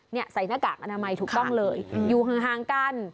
นี่ใส่หน้ากากอนามัยถูกต้องเลยอยู่ห่างกัน